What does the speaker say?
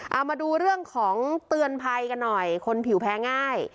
เอามาดูเรื่องของเตือนภัยกันหน่อยคนผิวแพ้ง่าย